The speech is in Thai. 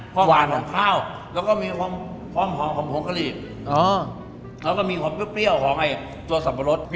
ความหวานของข้าวแล้วก็มีความความหอมของผงกะหรี่แล้วก็มีความเปรี้ยวของไอ้ตัวสับปะรด